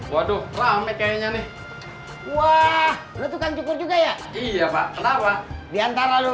waduh rame kayaknya nih wah lutukan cukur juga ya iya pak kenapa diantara lu